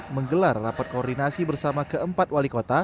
menggelar rapat koordinasi bersama keempat wali kota